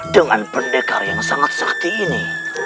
dengan pendekar yang sangat sakti ini